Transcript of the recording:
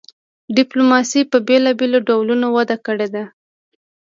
ډیپلوماسي په بیلابیلو ډولونو وده کړې ده